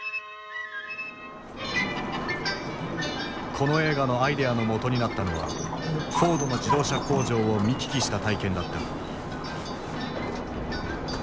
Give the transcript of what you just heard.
この映画のアイデアのもとになったのはフォードの自動車工場を見聞きした体験だった。